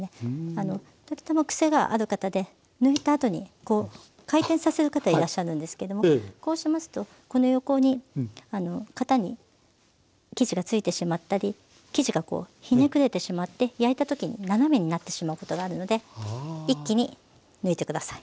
時たま癖がある方で抜いたあとにこう回転させる方いらっしゃるんですけどもこうしますとこの横に型に生地がついてしまったり生地がひねくれてしまって焼いたときに斜めになってしまうことがあるので一気に抜いて下さい。